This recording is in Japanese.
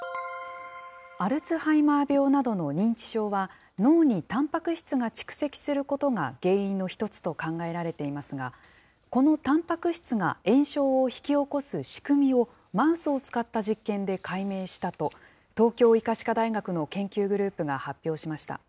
アルツハイマー病などの認知症は、脳にたんぱく質が蓄積することが原因の一つと考えられていますが、このたんぱく質が炎症を引き起こす仕組みを、マウスを使った実験で解明したと、東京医科歯科大学の研究グループが発表しました。